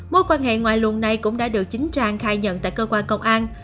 mối quan hệ ngoại luận này cũng đã được chính trang khai nhận tại cơ quan công an